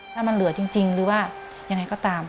ถ้ามันเหลือจริงหรือว่ายังไงก็ตาม